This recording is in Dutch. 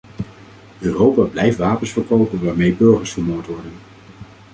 Europa blijft wapens verkopen waarmee burgers vermoord worden.